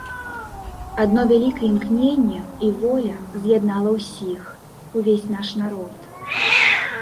Адно вялікае імкненне і воля з'яднала ўсіх, увесь наш народ.